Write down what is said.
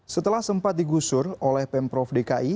setelah sempat digusur oleh pemprov dki